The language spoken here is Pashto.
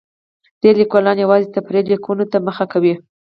ډېری لیکوالان یوازې تفریحي لیکنو ته مخه کوي.